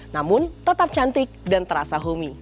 namun tetap cantik dan terasa homey